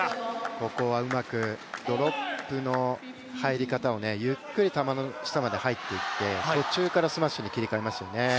ここはうまくドロップの入り方をゆっくり下に入っていって途中からスマッシュに切り替えましたよね。